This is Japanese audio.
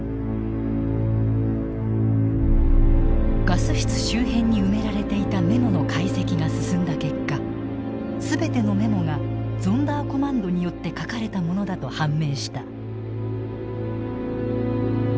ガス室周辺に埋められていたメモの解析が進んだ結果全てのメモがゾンダーコマンドによって書かれたものだと判明した。